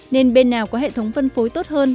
nên bên nào có hệ thống phân phối tốt hơn